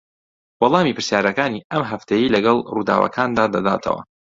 وەڵامی پرسیارەکانی ئەم هەفتەیەی لەگەڵ ڕووداوەکاندا دەداتەوە